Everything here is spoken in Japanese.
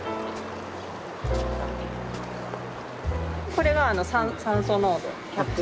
これが酸素濃度１００。